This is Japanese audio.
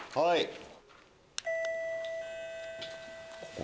はい。